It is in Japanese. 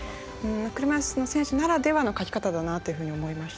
車いすの選手ならではの描き方だなと思いました。